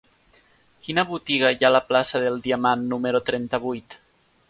Quina botiga hi ha a la plaça del Diamant número trenta-vuit?